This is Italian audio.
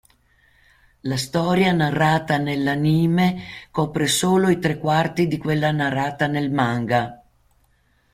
La storia narrata nell'anime copre solo i tre quarti di quella narrata nel manga.